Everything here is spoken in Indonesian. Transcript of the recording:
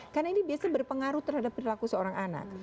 karena ini biasanya berpengaruh terhadap perilaku seorang anak